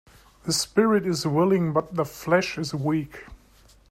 The spirit is willing but the flesh is weak.